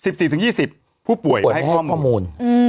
๑๔๒๐ผู้ป่วยไม่ให้ข้อมูลปวดไม่ให้ข้อมูล